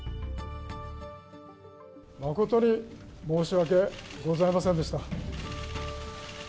誠に申し訳ございませんでした。